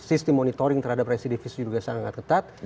sistem monitoring terhadap residivis juga sangat ketat